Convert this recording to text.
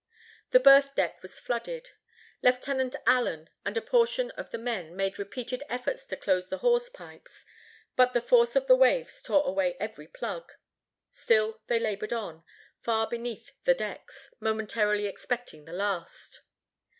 The berth deck was flooded. Lieut. Allen and a portion of the men made repeated efforts to close the hawse pipes, but the force of the waves tore away every plug. Still they labored on, far beneath the decks, momentarily expecting the last.